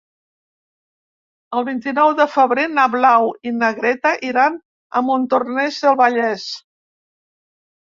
El vint-i-nou de febrer na Blau i na Greta iran a Montornès del Vallès.